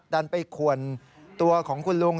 ดันไปขวนตัวของคุณลุง